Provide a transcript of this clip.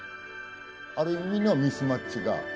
ある意味のミスマッチが。